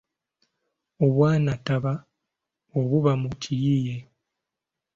Obwannataba obuba mu kiyiiye.